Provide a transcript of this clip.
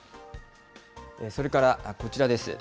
それからこちらです。